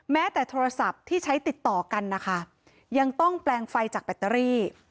แม้แต่โทรศัพท์ที่ใช้ติดต่อกันนะคะยังต้องแปลงไฟจากแบตเตอรี่